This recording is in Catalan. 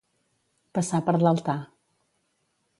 Passar per l'altar.